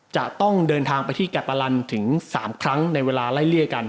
จะต้องเดินทางไปที่แกปะลันถึง๓ครั้งในเวลาไล่เลี่ยกัน